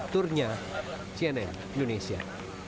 turnya cnn indonesia